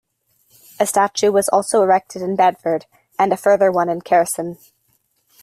A statue was also erected in Bedford, and a further one in Kherson.